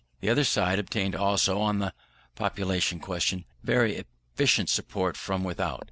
The other side obtained also, on the population question, very efficient support from without.